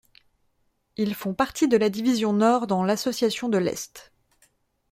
Ils font partie de la division Nord dans l'association de l'Est.